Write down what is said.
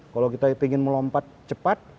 kalau kita ingin melompat cepat